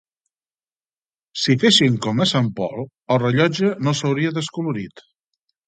Si fessin com a Sant Pol, el rellotge no s'hauria descolorit